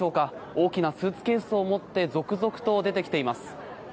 大きなスーツケースを持って続々と出てきています。